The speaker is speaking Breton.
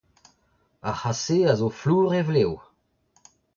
Ar c'hazh-se a zo flour e vlev.